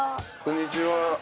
こんにちは。